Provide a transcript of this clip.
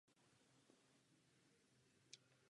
Je zřejmé, že Rada se touto otázkou skutečně zabývá.